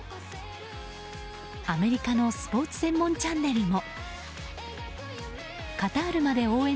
アメリカのスポーツ専門チャンネルも。